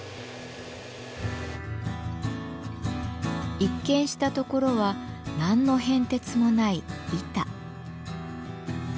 一見したところは何の変哲もない「板」。